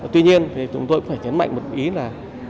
tuy nhiên thì chúng tôi cũng phải nhấn mạnh một ý là